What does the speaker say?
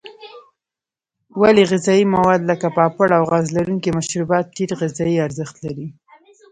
ولې غذایي مواد لکه پاپړ او غاز لرونکي مشروبات ټیټ غذایي ارزښت لري.